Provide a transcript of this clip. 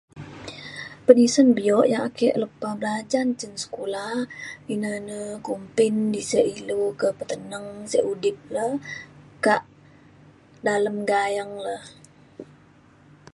penisen bio yak ake lepa belajan cin sekula ina na kumbin di sek ilu ke peteneng sek udip le kak dalem gayeng le.